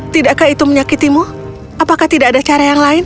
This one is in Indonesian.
tidakkah itu menyakitimu apakah tidak ada cara yang lain